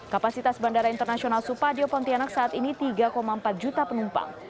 kapasitas bandara internasional supadio pontianak saat ini tiga empat juta penumpang